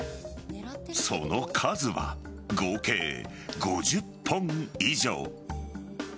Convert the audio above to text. その数は合計５０本以上。